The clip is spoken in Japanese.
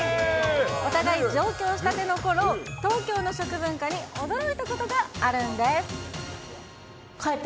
お互い上京したてのころ、東京の食文化に驚いたことがあるんです。